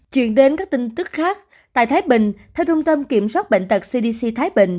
chuyển đến các tin tức khác tại thái bình theo trung tâm kiểm soát bệnh tật cdc thái bình